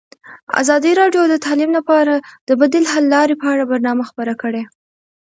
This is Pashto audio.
ازادي راډیو د تعلیم لپاره د بدیل حل لارې په اړه برنامه خپاره کړې.